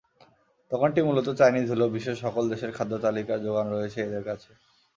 দোকানটি মূলত চাইনিজ হলেও বিশ্বের সকল দেশের খাদ্যতালিকার জোগান রয়েছে এদের কাছে।